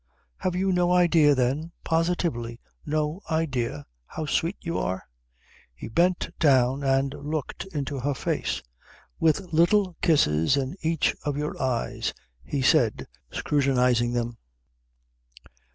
Have you no idea, then, positively no idea, how sweet you are?" He bent down and looked into her face. "With little kisses in each of your eyes," he said, scrutinizing them.